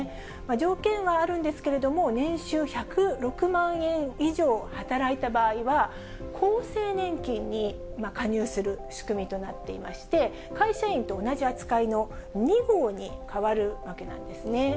条件はあるんですけれども、年収１０６万円以上働いた場合は、厚生年金に加入する仕組みとなっていまして、会社員と同じ扱いの２号に変わるわけなんですね。